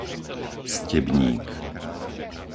Stebník